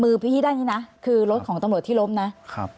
มือพี่อีด้านนี้นะคือรถของตำรวจที่ล้มนะ